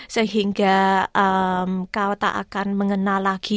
sehingga kau tak akan mengenal lagi